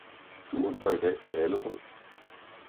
Turen går i dag til Allerød